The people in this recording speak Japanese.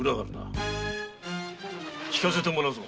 訊かせてもらうぞ。